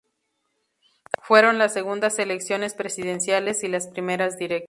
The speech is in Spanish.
Fueron las segundas elecciones presidenciales y las primeras directas.